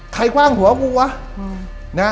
ใครกว้างหัวกูวะ